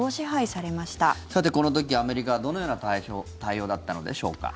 さてこの時、アメリカはどのような対応だったのでしょうか。